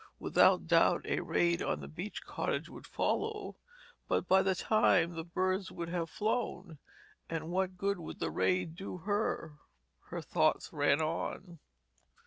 Without doubt a raid on the beach cottage would follow, but by that time the birds would have flown, and what good would the raid do her! Her thoughts ran on.